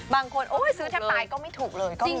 บางคนโอ้ยซื้อแทบตายก็ไม่ถูกเลย